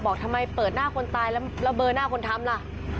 บอกทำไมเปิดหน้าคนตายแล้วแล้วเบอร์หน้าคนทำล่ะ